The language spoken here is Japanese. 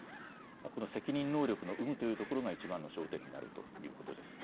この責任能力の有無というところがいちばんの焦点になるということですね。